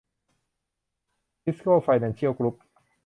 ทิสโก้ไฟแนนเชียลกรุ๊ป